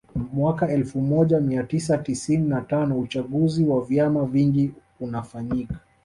Mwaka elfu moja mia tisa tisini na tano Uchaguzi wa vyama vingi unafanyika